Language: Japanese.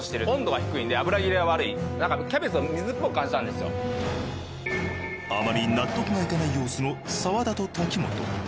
でもそれ以外のあまり納得がいかない様子の澤田と滝本。